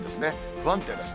不安定です。